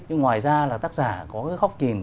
nhưng ngoài ra là tác giả có cái khóc kìn